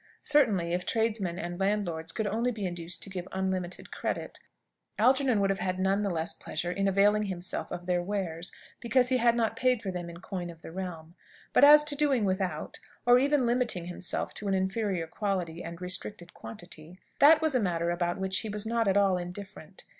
Certainly, if tradesmen and landlords could only be induced to give unlimited credit, Algernon would have had none the less pleasure in availing himself of their wares, because he had not paid for them in coin of the realm. But as to doing without, or even limiting himself to an inferior quality and restricted quantity, that was a matter about which he was not at all indifferent.